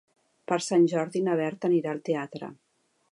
Per Sant Jordi na Berta anirà al teatre.